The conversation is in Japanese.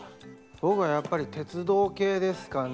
僕はやっぱり鉄道系ですかね。